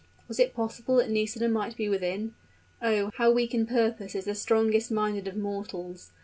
Was it possible that Nisida might be within? Oh, how weak in purpose is the strongest minded of mortals.